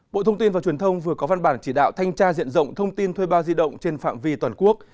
bộ thông tin và truyền thông vừa có văn bản chỉ đạo thanh tra diện rộng thông tin thuê bao di động trên phạm vi toàn quốc